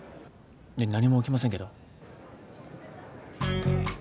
えっ何も起きませんけど。